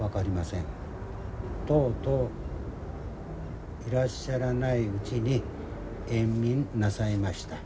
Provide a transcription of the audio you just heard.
とうとういらっしゃらないうちに永眠なさいました。